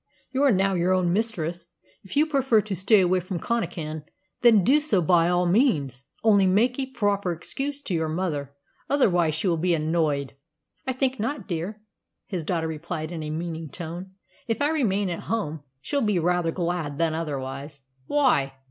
You are now your own mistress. If you prefer to stay away from Connachan, then do so by all means. Only, make a proper excuse to your mother; otherwise she will be annoyed." "I think not, dear," his daughter replied in a meaning tone. "If I remain at home she'll be rather glad than otherwise." "Why?"